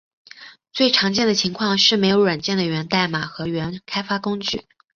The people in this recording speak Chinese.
最常见的情况是没有软件的源代码和原开发工具。